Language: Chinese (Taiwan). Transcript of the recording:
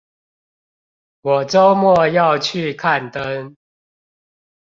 我週末要去看燈